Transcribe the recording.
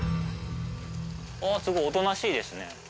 あぁすごいおとなしいですね。